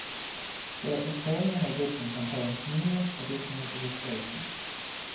The Ukrainian edition contains numerous additional illustrations.